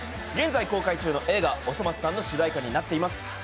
現在公開中の「おそ松さん」の主題歌になっています。